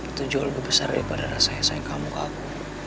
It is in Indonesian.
itu jauh lebih besar daripada rasanya sayang kamu ke aku